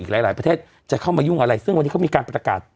หลายประเทศจะเข้ามายุ่งอะไรซึ่งวันนี้เขามีการประกาศ